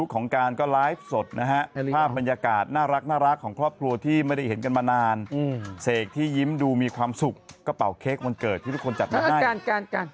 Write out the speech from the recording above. ก็เป่าเค้กวันเกิดที่ทุกคนจัดมาให้